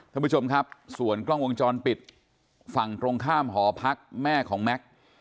ท่านผู้ชมครับส่วนกล้องวงจรปิดฝั่งตรงข้ามหอพักแม่ของแม็กซ์